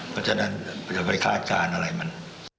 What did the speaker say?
ก็จะไปฆ่าการอะไรมัน